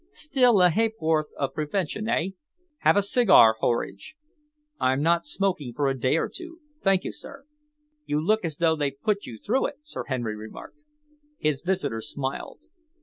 Still, a ha'porth of prevention, eh? Have a cigar, Horridge." "I'm not smoking for a day or two, thank you, sir." "You look as though they'd put you through it," Sir Henry remarked. His visitor smiled.